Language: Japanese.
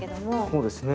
そうですね。